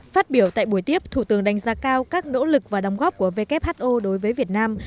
phát biểu tại buổi tiếp thủ tướng đánh giá cao các nỗ lực và đóng góp của who đối với việt nam